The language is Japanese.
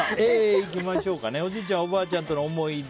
おじいちゃん・おばあちゃんとの思い出